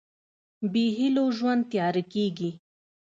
بېهيلو ژوند تیاره کېږي.